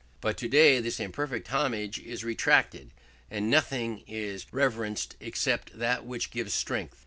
But today this imperfect homage is retracted, and nothing is reverenced except that which gives strength.